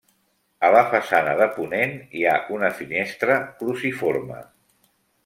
A la façana de ponent hi ha una finestra cruciforme.